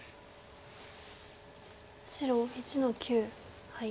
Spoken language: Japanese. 白１の九ハイ。